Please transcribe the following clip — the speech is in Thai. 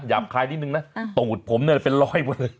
ยาบคล้ายนิดนึงนะตรงหุดผมเนี่ยเป็นรอย